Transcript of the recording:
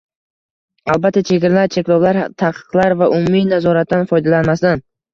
Albatta, chegaralar, cheklovlar, taqiqlar va umumiy nazoratdan foydalanmasdan